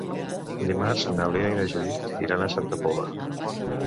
Dimarts na Lea i na Judit iran a Santa Pola.